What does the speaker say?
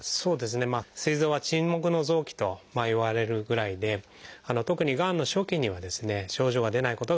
すい臓は沈黙の臓器といわれるぐらいで特にがんの初期にはですね症状が出ないことが多いです。